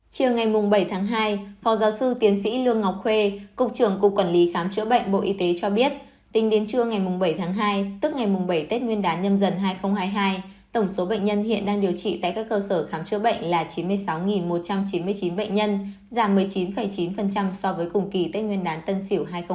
chiều ngày bảy tháng hai phó giáo sư tiến sĩ lương ngọc khuê cục trưởng cục quản lý khám chữa bệnh bộ y tế cho biết tính đến trưa ngày bảy tháng hai tức ngày bảy tết nguyên đán nhâm dần hai nghìn hai mươi hai tổng số bệnh nhân hiện đang điều trị tại các cơ sở khám chữa bệnh là chín mươi sáu một trăm chín mươi chín bệnh nhân giảm một mươi chín chín so với cùng kỳ tết nguyên đán tân sỉu hai nghìn hai mươi ba